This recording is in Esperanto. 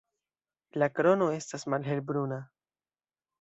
La krono estas malhelbruna.